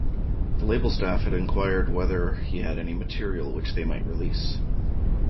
The label staff had enquired whether he had any material which they might release.